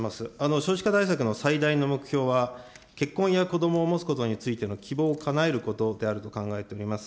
少子化対策の最大の目標は、結婚や子どもをもつことについての希望をかなえることであると考えております。